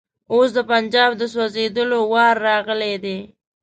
اوس د پنجاب د سوځېدلو وار راغلی دی.